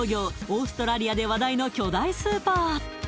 オーストラリアで話題の巨大スーパー